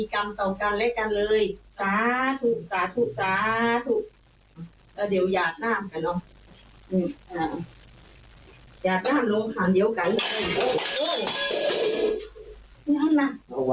ก็คือกว่ำไปเลยก็คือจบกันแล้วนะ